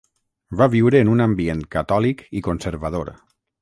Va viure en un ambient catòlic i conservador.